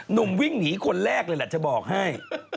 หนุ่มวิ่งหนีคนแรกเลยแหละจะบอกให้